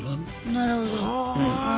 なるほど。